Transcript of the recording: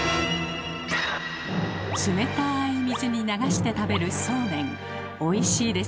冷たい水に流して食べるそうめんおいしいですよね。